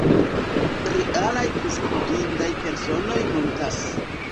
Realaj priskribindaj personoj multas.